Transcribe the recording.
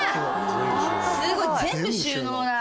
すごい全部収納だ。